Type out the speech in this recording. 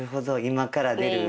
今から出る。